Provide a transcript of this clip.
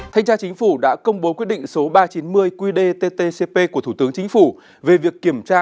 thanh tra chính phủ đã công bố quyết định số ba trăm chín mươi qdttcp của thủ tướng chính phủ về việc kiểm tra